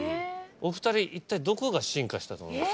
お２人一体どこが進化したと思います？